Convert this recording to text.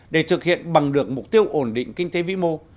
để thực hiện bằng được mục tiêu ổn định kinh tế vĩ mô